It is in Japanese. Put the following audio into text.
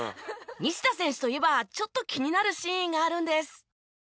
西田選手といえばちょっと気になるシーンがあるんです。